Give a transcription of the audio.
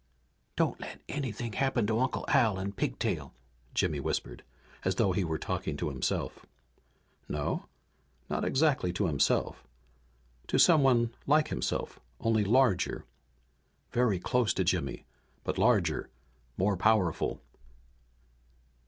"Don't let anything happen to Uncle Al and Pigtail!" Jimmy whispered, as though he were talking to himself. No not exactly to himself. To someone like himself, only larger. Very close to Jimmy, but larger, more powerful.